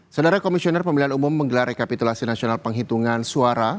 saudara komisioner pemilihan umum menggelar rekapitulasi nasional penghitungan suara